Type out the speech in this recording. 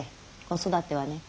子育てはね